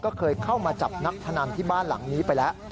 ก็เคยเข้ามาจับนักพนันที่บ้านหลังนี้ไปแล้ว